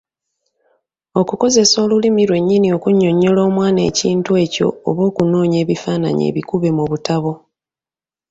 Okukozesa Olulimi lwennyini okunnyonnyola omwana ekintu ekyo oba okunoonya ebifaananyi ebikube mu bitabo.